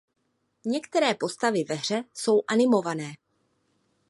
Některé postavy ve hře jsou animované.